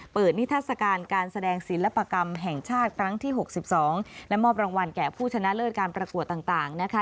นิทัศกาลการแสดงศิลปกรรมแห่งชาติครั้งที่๖๒และมอบรางวัลแก่ผู้ชนะเลิศการประกวดต่างนะคะ